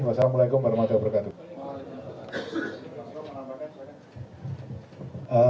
wassalamu'alaikum warahmatullahi wabarakatuh